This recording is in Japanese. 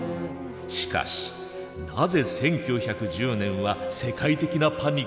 しかしなぜ１９１０年は世界的なパニックになったのか？